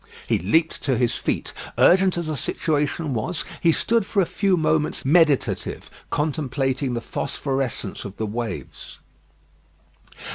He leaped to his feet. Urgent as the situation was, he stood for a few moments meditative, contemplating the phosphorescence of the waves.